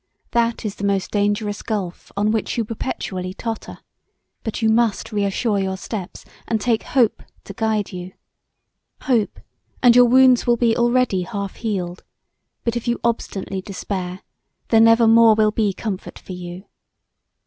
That is the most dangerous gulph on which you perpetually totter; but you must reassure your steps, and take hope to guide you. Hope, and your wounds will be already half healed: but if you obstinately despair, there never more will be comfort for you.